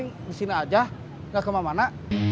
disini aja gak kemana mana